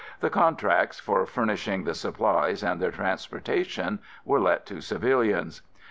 The contracts for furnishing the supplies and their transportation were let to civilians.